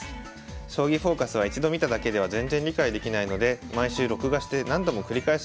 『将棋フォーカス』は一度見ただけでは全然理解できないので毎週録画して何度も繰り返し見ています。